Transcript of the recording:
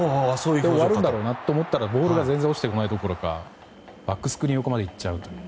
終わるんだろうなと思ったらボールが全然落ちてこないどころかバックスクリーン横まで行っちゃう。